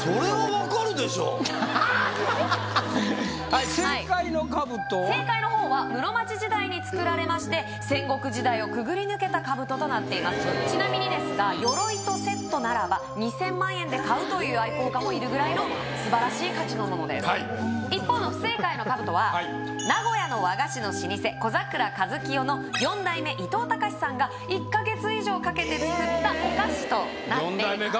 はい正解の兜は正解のほうは室町時代に作られまして戦国時代をくぐり抜けた兜となっていますちなみにですが鎧とセットならば２，０００万円で買うという愛好家もいるぐらいのすばらしい価値のものですはい一方の不正解の兜は名古屋の和菓子の老舗小ざくらや一清の４代目伊藤高史さんが１か月以上かけて作ったお菓子となっています